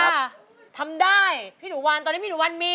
ทำได้พี่หนูวันตอนนี้พี่หนูวันมี